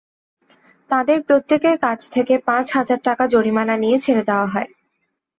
তাঁদের প্রত্যেকের কাছ থেকে পাঁচ হাজার টাকা জরিমানা নিয়ে ছেড়ে দেওয়া হয়।